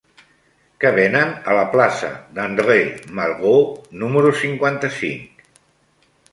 Què venen a la plaça d'André Malraux número cinquanta-cinc?